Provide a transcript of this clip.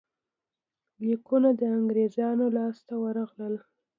لیکونه د انګرېزانو لاسته ورغلل.